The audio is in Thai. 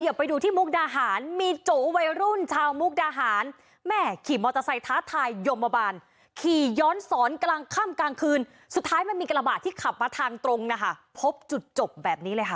เดี๋ยวไปดูที่มุกดาหารมีโจวัยรุ่นชาวมุกดาหารแม่ขี่มอเตอร์ไซค์ท้าทายยมบาลขี่ย้อนสอนกลางค่ำกลางคืนสุดท้ายมันมีกระบาดที่ขับมาทางตรงนะคะพบจุดจบแบบนี้เลยค่ะ